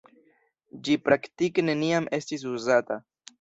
Ĝi praktike neniam estis uzata.